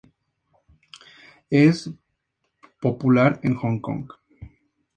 Es popular en Hong Kong.